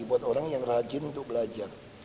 buat orang yang rajin untuk belajar